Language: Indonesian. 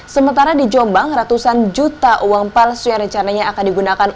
sementara di jombang ratusan juta uang palsu yang rencananya akan digunakan